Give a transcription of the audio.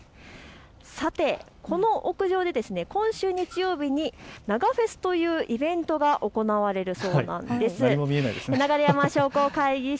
さて、この屋上で今週日曜日にながフェスというイベントが行われるそうなんです。